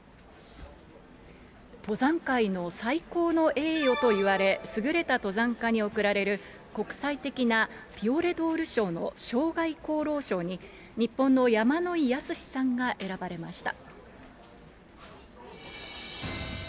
登山界の最高の栄誉といわれ、優れた登山家に送られる国際的なピオレドール賞の生涯功労賞に日本の山野井やすしさんが選ばれました。